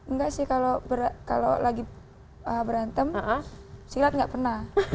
enggak sih kalau lagi berantem silat nggak pernah